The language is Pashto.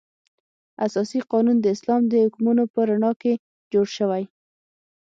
اساسي قانون د اسلام د حکمونو په رڼا کې جوړ شوی.